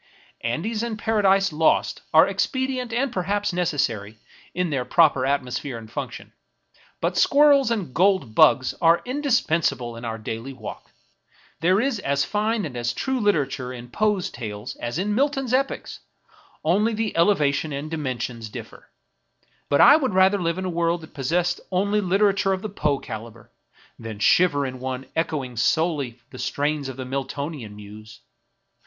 Andes and Paradises Lost are expedient and perhaps necessary in their proper atmosphere and function ; but Squirrels and Gold Bugs are indispensable in our daily walk. There is as fine and as true literature in Poe's Tales as in Milton's epics; only the elevation and dimen sions differ. But I would rather live in a world that pos sessed only literature of the Poe caliber, than shiver in one echoing solely the strains of the Miltonian muse.